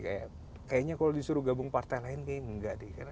kayaknya kalau disuruh gabung partai lain kayaknya enggak